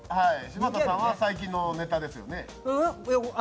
柴田さんは最近のネタですよね？